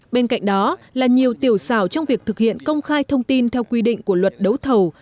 bên cạnh đó là nhiều tiểu xào trong việc thực hiện công khai thông tin theo quy định của luật đấu thầu